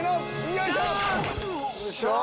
よいしょ！